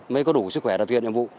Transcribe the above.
mới có đủ sức khỏe thực hiện nhiệm vụ